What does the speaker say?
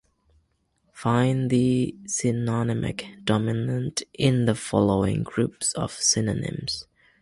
Find the synonymic dominant in the following groups of synonyms.